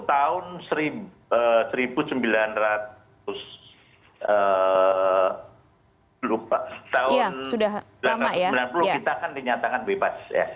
tahun seribu sembilan ratus sembilan puluh kita kan dinyatakan bebas